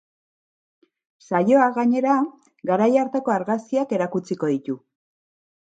Saioak gainera, garai hartako argazkiak erakutsiko ditu.